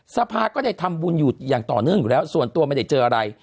สภาก็ได้ทำบุญอยู่อย่างต่อเนื่องอยู่แล้วส่วนตัวไม่ได้เจออะไร